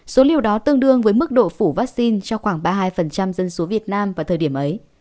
số liều đó tương đương với mức độ phủ vaccine cho khoảng ba mươi hai dân số việt nam vào thời điểm ấy